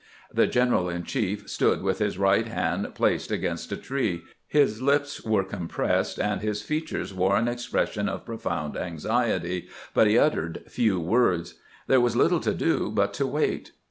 The general in chief stood with his right hand placed against a tree ; his lips were compressed and his features wore an ex pression of profound anxiety, but he uttered few words. There was little to do but to wait.